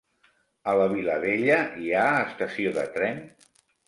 A la Vilavella hi ha estació de tren?